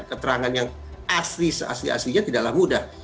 keterangan yang asli aslinya tidaklah mudah